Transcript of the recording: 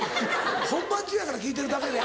本番中やから聞いてるだけで。